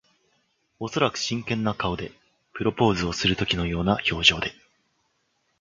おそらく真剣な顔で。プロポーズをするときのような表情で。